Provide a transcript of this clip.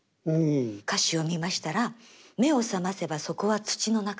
歌詞を見ましたら「目を覚ませばそこは土の中」。